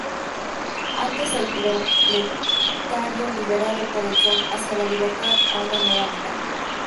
Antes el proletario liberado por el sol hacia la libertad, a una nueva vida.